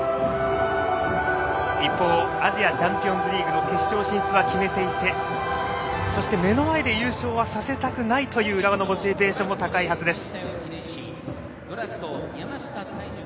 一方アジアチャンピオンズリーグの決勝進出を決めていてそして、目の前で優勝はさせたくないという浦和のモチベーションも高いはずです。